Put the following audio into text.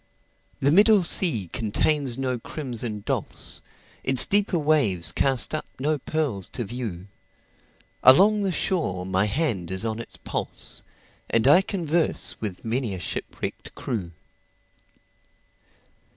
The middle sea contains no crimson dulse, Its deeper waves cast up no pearls to view; Along the shore my hand is on its pulse, And I converse with many a shipwrecked crew.